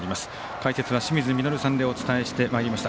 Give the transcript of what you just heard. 解説は清水稔さんでお伝えしてまいりました。